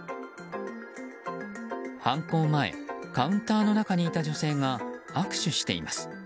犯行前、カウンターの中にいた女性が握手しています。